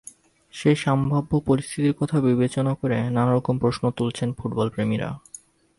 সেই সম্ভাব্য পরিস্থিতির কথা চিন্তা করে নানা রকম প্রশ্ন তুলছেন ফুটবলপ্রেমীরা।